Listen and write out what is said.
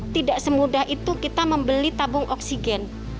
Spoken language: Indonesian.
tidak semudah itu kita membeli tabung oksigen